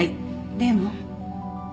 でも。